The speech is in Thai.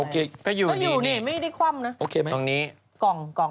ก็อยู่นี่ไม่ได้คว่ำนะ